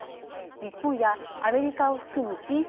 日本やアメリカを含むＧ７